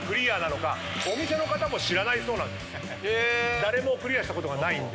誰もクリアしたことがないんで。